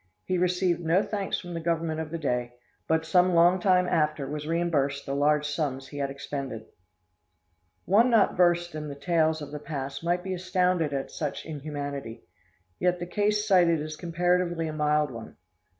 He received no thanks from the Government of the day, but some long time after was reimbursed the large sums he had expended." One not versed in the tales of the past might be astounded at such inhumanity; yet the case cited is comparatively a mild one.